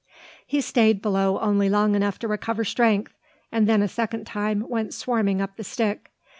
He stayed below only long enough to recover strength; and then a second time went swarming up the stick.